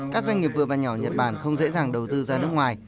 các doanh nghiệp vừa và nhỏ nhật bản không dễ dàng đầu tư ra nước ngoài